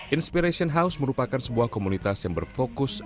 inspiration house merupakan sebuah komunitas yang berfokus